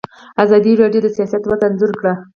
ازادي راډیو د سیاست وضعیت انځور کړی.